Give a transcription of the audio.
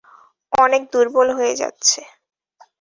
অনেক দূর্বল হয়ে যাচ্ছে।